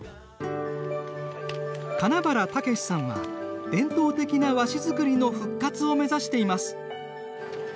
金原武志さんは伝統的な和紙作りの復活を目指しています。